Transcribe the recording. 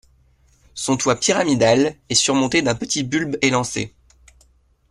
Son toit pyramidal est surmonté d'un petit bulbe élancé.